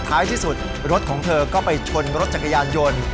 ท้ายที่สุดรถของเธอก็ไปชนรถจักรยานยนต์